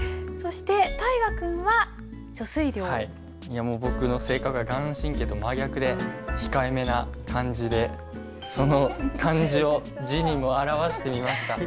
いやもう僕の性格が顔真と真逆で控えめな感じでその感じを字にも表してみました。